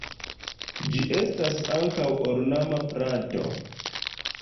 Ĝi estas ankaŭ ornama planto.